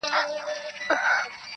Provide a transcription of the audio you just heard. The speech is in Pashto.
• بس پردی وم بس بی واکه وم له ځانه -